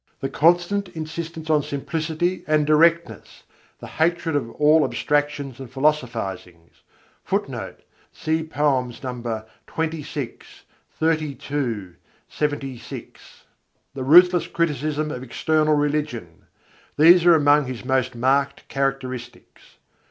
The constant insistence on simplicity and directness, the hatred of all abstractions and philosophizings,[Footnote: Nos. XXVI, XXXII, LXXVI] the ruthless criticism of external religion: these are amongst his most marked characteristics.